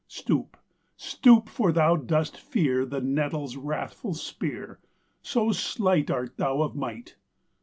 Stoop, stoop; for thou dost fear The nettle's wrathful spear, So slight Art thou of might!